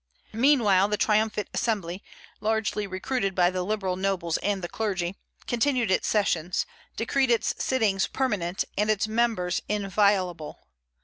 Meanwhile, the triumphant Assembly, largely recruited by the liberal nobles and the clergy, continued its sessions, decreed its sittings permanent and its members inviolable.